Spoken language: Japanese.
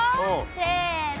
せの！